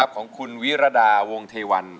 ของคุณวิรดาวงเทวัน